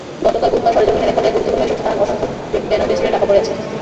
গতকাল বুধবার সরেজমিনে দেখা যায়, গুরুত্বপূর্ণ এসব স্থান অসংখ্য ব্যানার-ফেস্টুনে ঢাকা পড়ে আছে।